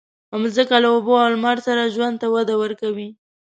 مځکه له اوبو او لمر سره ژوند ته وده ورکوي.